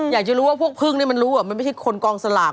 อยากจะรู้ว่าพวกพึ่งนี่มันรู้มันไม่ใช่คนกองสลาก